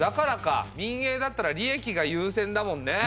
民営だったら利益が優先だもんね。